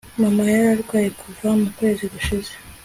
mama yararwaye kuva mu kwezi gushize